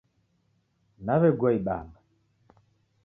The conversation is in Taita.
Naw'egua ibamba